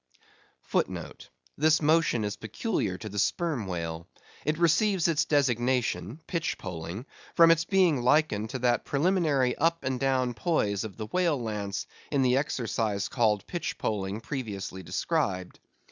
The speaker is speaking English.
*This motion is peculiar to the sperm whale. It receives its designation (pitchpoling) from its being likened to that preliminary up and down poise of the whale lance, in the exercise called pitchpoling, previously described.